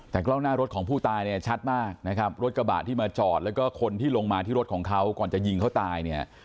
แต่กล้องหน้ารถของผู้ตายเนี่ยชัดมากนะครับรถกระบะที่มาจอดแล้วก็คนที่ลงมาที่รถของเขาก่อนจะยิงเขาตายเนี่ย